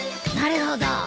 なるほど。